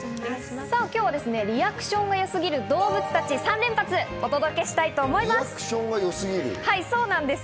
今日はリアクションがよすぎる動物たち、３連発をお届けしたいと思います。